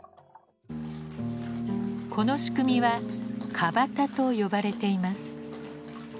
この仕組みは「川端」と呼ばれています。